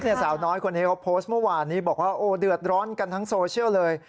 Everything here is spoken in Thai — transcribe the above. เจ้าสาวน้อยก็โพสต์เมื่อวานนี้บอกเดือดร้อนทั้งโซเชียลเลย